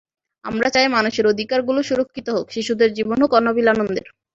আমরা চাই মানুষের অধিকারগুলো সুরক্ষিত হোক, শিশুদের জীবন হোক অনাবিল আনন্দের।